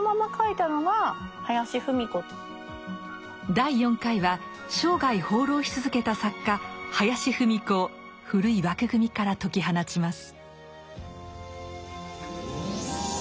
第４回は生涯放浪し続けた作家林芙美子を古い枠組みから解き放ちます。